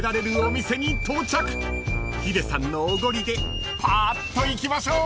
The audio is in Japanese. ［ヒデさんのおごりでパーッといきましょう］